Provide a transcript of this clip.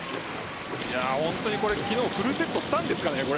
本当に昨日フルセットしたんですかね、これ。